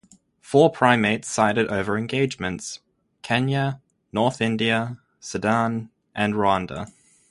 Four primates cited other engagements: Kenya, North India, Sudan and Rwanda.